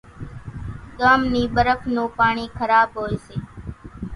ڳام نِي ٻرڦ نون پاڻِي کراٻ هوئيَ سي۔